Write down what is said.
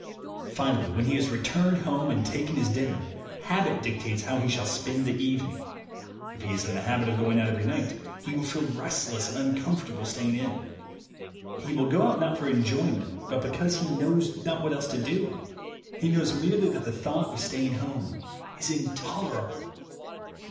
Finally, when he has returned home and taken his dinner, habit dictates how he shall spend the evening. If he is in the habit of going out every night, he will feel restless and uncomfortable staying in. He will go out not for enjoyment, but because he knows not what else to do. He knows merely that the thought of staying home is intolerable.